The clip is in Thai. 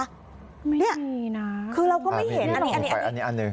นี่นะคือเราก็ไม่เห็นอันนี้อันนี้อันหนึ่ง